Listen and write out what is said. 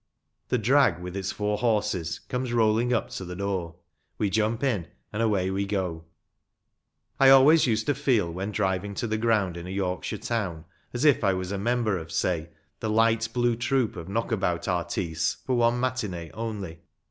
The drag with its four horses comes rolling up to the door, we jump in, and away we go. I always used to feel, when driving to the ground in a Yorkshire town, as if I was a member of, say, the " Light Blue troupe of knockabout artistes ‚ÄĒ for one matinie only."